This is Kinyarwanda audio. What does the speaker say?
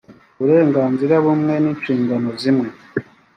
uburenganzira bumwe n inshingano zimwe